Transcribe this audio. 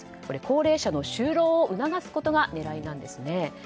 これは高齢者の就労を促すことが狙いなんですね。